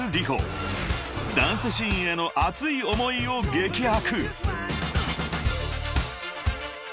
［ダンスシーンへの熱い思いを激白］